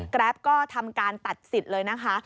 แรปก็ทำการตัดสิทธิ์เลยนะคะ